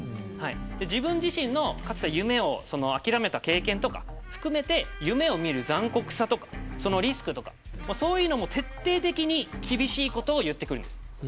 自分自身のかつての夢を諦めた経験とかを含めて夢を見る残酷さとか、リスクとかそういうのを徹底的に厳しいことを言ってくるんです。